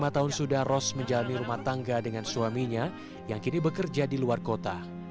lima tahun sudah ros menjalani rumah tangga dengan suaminya yang kini bekerja di luar kota